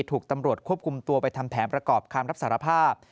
ถูกตำรวจควบคุมตัวไปทำแผนประกอบคำรับสารภาพ